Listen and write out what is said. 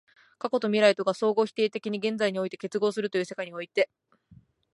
過去と未来とが相互否定的に現在において結合するという世界において、